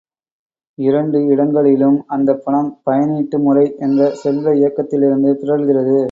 இரண்டு இடங்களிலும் அந்தப்பணம் பயனீட்டு முறை என்ற செல்வ இயக்கத்திலிருந்து பிறழ்கிறது.